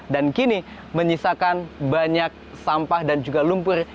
dan kini menyisakan banyak sampah dan juga lumpur